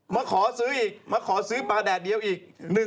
มาขอซื้ออีกมาขอซื้อปลาแดดเดียวอีก